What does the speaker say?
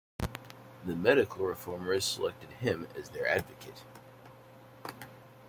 The medical reformers selected him as their advocate.